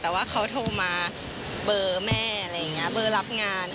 แต่ว่าเขาโทรมาเบอร์แม่เบอร์รับงาน